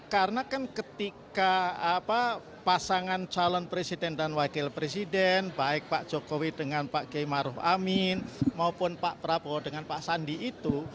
karena kan ketika pasangan calon presiden dan wakil presiden baik pak jokowi dengan pak g maruf amin maupun pak prabowo dengan pak sandi itu